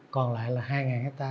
còn lại là hai hecta